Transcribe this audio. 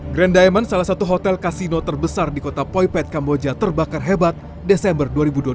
grand diamond salah satu hotel kasino terbesar di kota poipet kamboja terbakar hebat desember dua ribu dua puluh